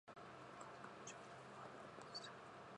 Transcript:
駆け込み乗車はおやめ下さい